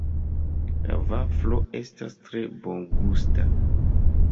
La vaflo estas tre bongusta.